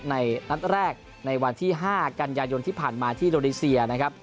นัดแรกในวันที่๕กันยายนที่ผ่านมาที่โดนีเซียนะครับ